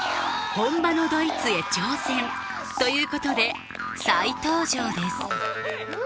本場のドイツへ挑戦ということで再登場です